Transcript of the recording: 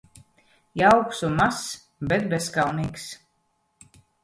Jauks un mazs, bet bezkaunīgs